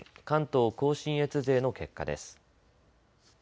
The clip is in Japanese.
関東甲信越勢の結果です。